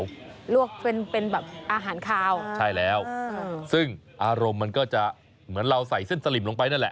ลวกเป็นเป็นแบบอาหารคาวใช่แล้วซึ่งอารมณ์มันก็จะเหมือนเราใส่เส้นสลิมลงไปนั่นแหละ